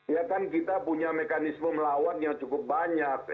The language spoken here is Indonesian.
ya kan kita punya mekanisme melawan yang cukup banyak